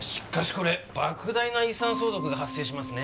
こればく大な遺産相続が発生しますね・